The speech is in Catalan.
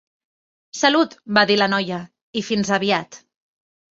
Salut, va dir la noia, i fins aviat.